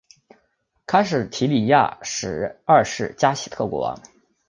卡什提里亚什二世加喜特国王。